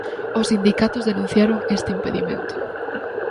Os sindicatos denunciaron este impedimento.